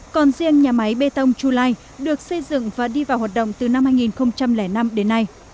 còn riêng nhà máy bê tông chu lai được xây dựng và đi vào hoạt động từ năm hai nghìn năm đến nay